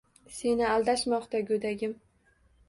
Seni aldashmoqda, go'dagim.